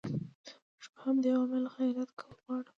موږ په همدې عواملو خبرې کول غواړو.